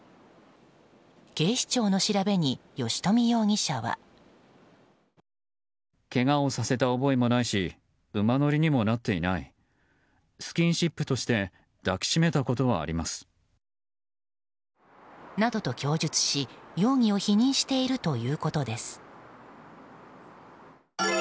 警視庁の調べに、吉冨容疑者は。などと供述し、容疑を否認しているということです。